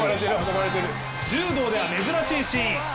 柔道では珍しいシーン。